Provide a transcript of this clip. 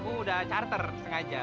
aku udah charter sengaja